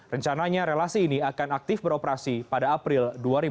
rencananya relasi ini akan aktif beroperasi pada april dua ribu dua puluh